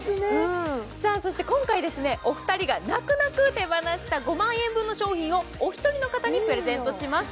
今回、お二人が泣く泣く手放した５万円分の商品をお一人の方にプレゼントします。